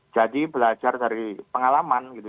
jadi belajar dari pengalaman gitu